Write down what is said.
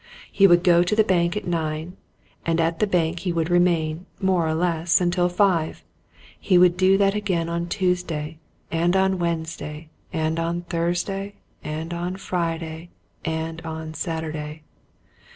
He would go to the bank at nine, and at the bank he would remain, more or less, until five. He would do that again on Tuesday, and on Wednesday, and on Thursday and on Friday, and on Saturday.